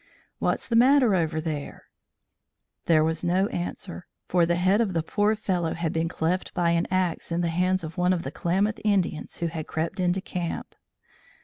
"What's the matter over there?" There was no answer, for the head of the poor fellow had been cleft by an axe in the hands of one of the Klamath Indians who had crept into camp.